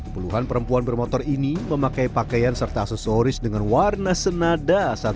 puluhan perempuan bermotor ini memakai pakaian serta aksesoris dengan warna senada saat